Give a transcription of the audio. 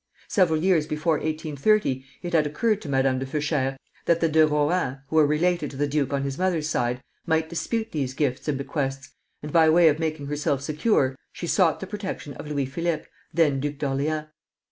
Several years before 1830 it had occurred to Madame de Feuchères that the De Rohans, who were related to the duke on his mother's side, might dispute these gifts and bequests, and by way of making herself secure, she sought the protection of Louis Philippe, then Duke of Orleans.